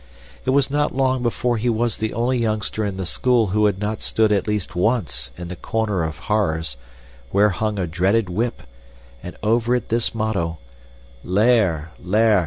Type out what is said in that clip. It was not long before he was the only youngster in the school who had not stood at least ONCE in the corner of horrors, where hung a dreaded whip, and over it this motto: "Leer, leer!